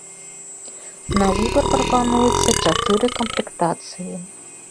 На выбар прапануецца чатыры камплектацыі.